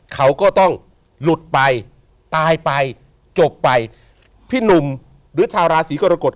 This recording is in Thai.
เขาก็ต้องหลุดไปตายไปจบไปพี่หนุ่มหรือชาวราศีกรกฎ